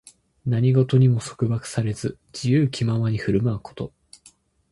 何事にも束縛されず、自由気ままに振る舞うこと。